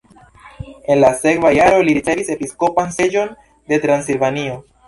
En la sekva jaro li ricevis episkopan seĝon de Transilvanio.